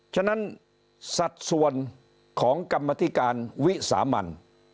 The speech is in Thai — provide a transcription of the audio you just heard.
ฉะนั้นสัดส่วนของกรรมธิการวิสามัน